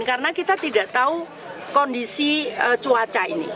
karena kita tidak tahu kondisi cuaca ini